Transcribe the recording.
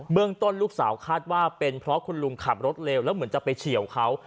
เรื่องต้นลูกสาวคาดว่าเป็นเพราะคุณลุงขับรถเร็วแล้วเหมือนจะไปเฉียวเขา